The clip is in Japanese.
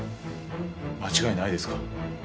間違いないですか？